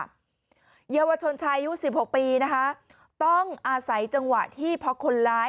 เยาวชนชายอายุสิบหกปีนะคะต้องอาศัยจังหวะที่เพราะคนร้าย